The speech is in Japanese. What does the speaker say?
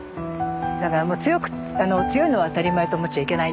だからもう強く強いのは当たり前と思っちゃいけないって。